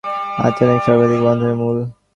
ইহাই শরীরিক মানসিক ও আধ্যাত্মিক সর্ববিধ বন্ধনের মূল।